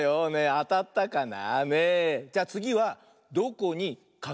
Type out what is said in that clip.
あたったかな？